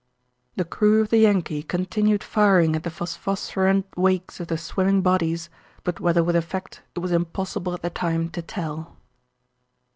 The crew of the Yankee continued firing at the phosphorescent wakes of the swimming bodies, but whether with effect it was impossible at the time to tell.